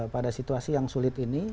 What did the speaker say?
pada situasi yang sulit ini